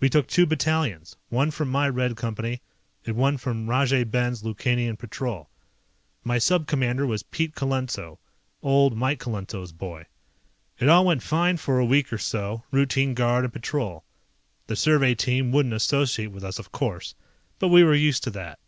We took two battalions, one from my Red Company, and one from Rajay Ben's Lukanian Patrol. My Sub Commander was Pete Colenso, old Mike Colenso's boy. It all went fine for a week or so, routine guard and patrol. The survey team wouldn't associate with us, of course, but we were used to that.